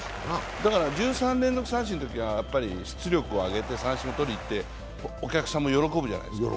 だから１３連続三振のときは出力を上げて三振とりに行ってお客さんも喜ぶじゃないですか。